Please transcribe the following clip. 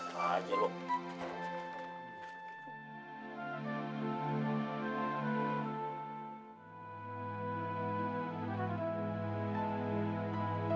panas juga du urlt